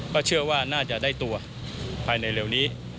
ก็เชื่อว่าน่าจะได้ตัวภายในเร็วนี้